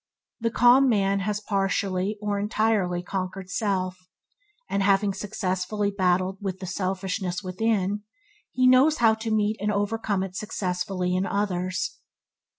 The calm man has partly or entirely conquered self, and having successfully battled with the selfishness within, he knows how to meet and overcome it successfully in others.